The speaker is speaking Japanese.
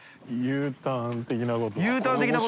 Ｕターン的なこと？